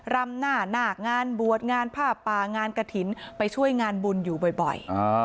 รำหน้านาคงานบวชงานผ้าป่างานกระถิ่นไปช่วยงานบุญอยู่บ่อย